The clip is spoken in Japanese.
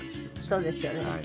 そうですよね。